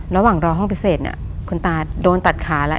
ระหว่างรอห้องพิเศษเนี่ยคุณตาโดนตัดขาแล้ว